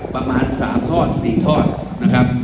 ประมาณ๓ทอด๔ทอดนะครับ